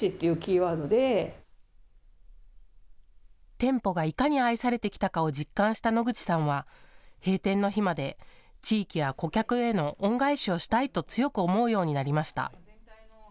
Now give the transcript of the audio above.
店舗がいかに愛されてきたかを実感した野口さんは閉店の日まで地域や顧客への恩返しをしたいと強く思うようになりました。